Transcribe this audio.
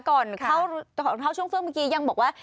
ก่อนเข้าช่วงเฟื่อเมื่อกี้ยังบอกว่า